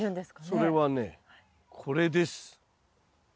それはねこれです。